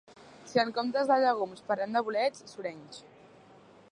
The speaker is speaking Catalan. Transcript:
Si en comptes de llegums parlem de bolets, surenys.